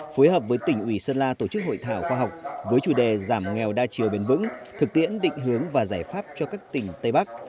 phối hợp với tỉnh ủy sơn la tổ chức hội thảo khoa học với chủ đề giảm nghèo đa chiều bền vững thực tiễn định hướng và giải pháp cho các tỉnh tây bắc